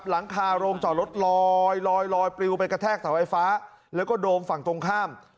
หลังคาโรงจอดรถลอยลอยปลิวไปกระแทกเสาไฟฟ้าแล้วก็โดมฝั่งตรงข้าม